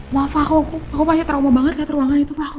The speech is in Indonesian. maaf aku aku masih terlalu banget lihat ruangan itu pak